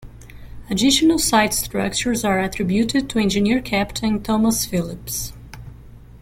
Additional site structures are attributed to engineer Captain Thomas Philips.